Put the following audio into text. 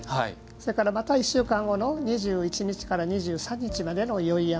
それから、また１週間後の２１日から２３日までの宵山。